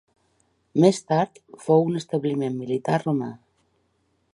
Més tard fou un establiment militar romà.